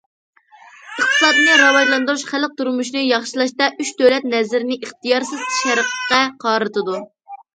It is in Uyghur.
ئىقتىسادنى راۋاجلاندۇرۇش، خەلق تۇرمۇشىنى ياخشىلاشتا ئۈچ دۆلەت نەزىرىنى ئىختىيارسىز شەرققە قارىتىدۇ.